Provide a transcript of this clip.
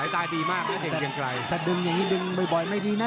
แต่เดินแบบนี้ดึงบ่อยไม่ดีนะ